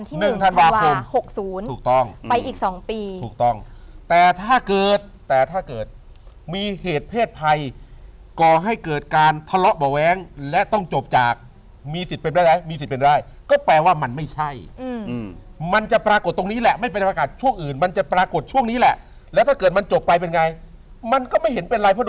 หนึ่งธันวาคมหกศูนย์ถูกต้องไปอีกสองปีถูกต้องแต่ถ้าเกิดแต่ถ้าเกิดมีเหตุเพศภัยก่อให้เกิดการทะเลาะเบาะแว้งและต้องจบจากมีสิทธิ์เป็นไปได้มีสิทธิ์เป็นได้ก็แปลว่ามันไม่ใช่อืมมันจะปรากฏตรงนี้แหละไม่เป็นประกาศช่วงอื่นมันจะปรากฏช่วงนี้แหละแล้วถ้าเกิดมันจบไปเป็นไงมันก็ไม่เห็นเป็นไรเพราะด